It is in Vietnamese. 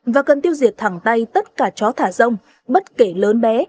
và cần tiêu diệt thẳng tay tất cả chó thả rông bất kể lớn bé